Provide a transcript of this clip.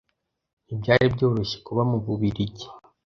Ntibyari byoroshye kuba mu Bubiligi